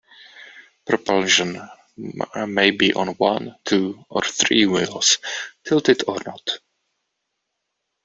Propulsion may be on one, two, or three wheels, tilted or not.